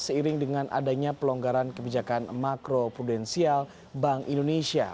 seiring dengan adanya pelonggaran kebijakan makro prudensial bank indonesia